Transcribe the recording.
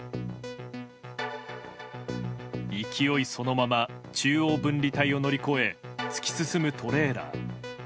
勢いそのまま中央分離帯を乗り越え突き進むトレーラー。